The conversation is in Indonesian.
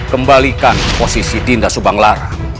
kembalikan posisi dinda subang lara